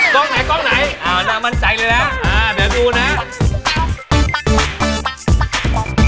กล้องไหนหน้ามั่นใจเลยนะเดี๋ยวดูนะ